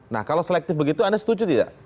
nah kalau selektif begitu anda setuju tidak